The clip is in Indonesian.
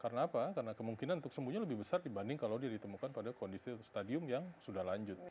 karena apa karena kemungkinan untuk sembuhnya lebih besar dibanding kalau dia ditemukan pada kondisi atau stadium yang sudah lanjut